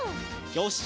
よし！